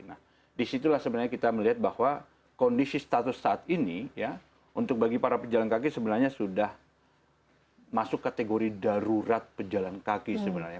nah disitulah sebenarnya kita melihat bahwa kondisi status saat ini ya untuk bagi para pejalan kaki sebenarnya sudah masuk kategori darurat pejalan kaki sebenarnya